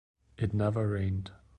It never rained.